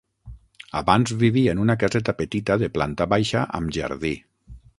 Abans vivia en una caseta petita de planta baixa amb jardí.